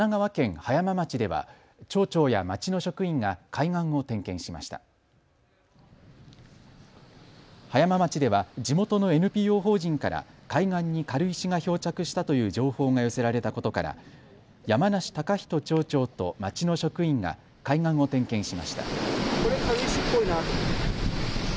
葉山町では地元のＮＰＯ法人から海岸に軽石が漂着したという情報が寄せられたことから山梨崇仁町長と町の職員が海岸を点検しました。